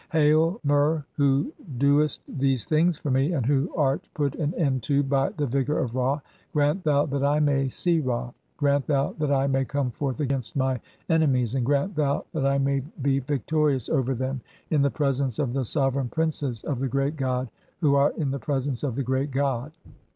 Hail, Mer, who doest these things for me, and who "art put an end to by the vigour of Ra, grant thou that I may "see Ra ; (10) grant thou that I may come forth against my "enemies ; and grant thou that I may be victorious over them "in the presence of the sovereign princes of the great god who "are in the presence of the great god.